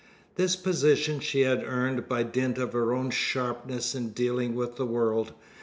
This position she had earned by dint of her own sharpness in dealing with the world.